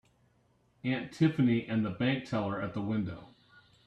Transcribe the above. Aunt Tiffany and bank teller at the window.